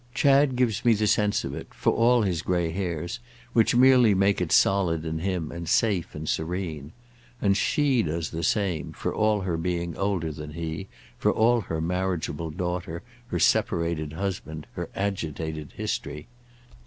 Chad gives me the sense of it, for all his grey hairs, which merely make it solid in him and safe and serene; and she does the same, for all her being older than he, for all her marriageable daughter, her separated husband, her agitated history.